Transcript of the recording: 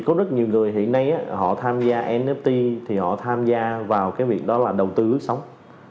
có rất nhiều người hiện nay họ tham gia nft thì họ tham gia vào cái việc đó là đầu tư ước sống